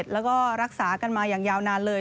แล้วก็รักษากันมาอย่างยาวนานเลย